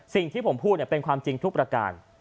สิ่งที่ผมพูดเป็นความจริงทุกประการ